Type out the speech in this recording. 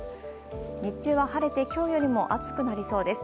日中は晴れて今日よりも暑くなりそうです。